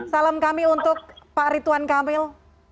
salam kami untuk pak ritwan kamil